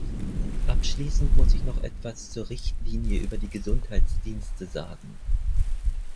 Abschließend muss ich noch etwas zur Richtlinie über die Gesundheitsdienste sagen.